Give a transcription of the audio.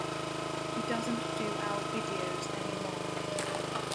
He doesn't do our videos anymore.